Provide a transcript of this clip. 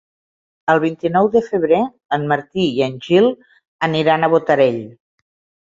El vint-i-nou de febrer en Martí i en Gil aniran a Botarell.